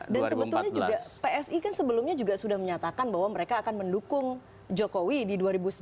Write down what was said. dan sebetulnya juga psi kan sebelumnya juga sudah menyatakan bahwa mereka akan mendukung jokowi di dua ribu sembilan belas